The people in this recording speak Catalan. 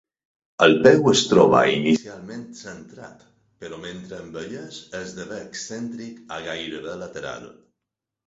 El peu es troba inicialment centrat, però mentre envelleix esdevé excèntric a gairebé lateral.